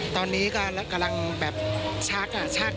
ตอนนี้ก็กำลังแบบช้ากลาย